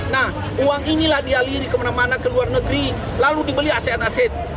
nah uang inilah dialiri kemana mana ke luar negeri lalu dibeli aset aset